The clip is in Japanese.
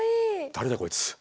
誰だこいつ。